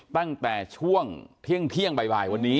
ตั้งแต่ช่วงเที่ยงบ่ายวันนี้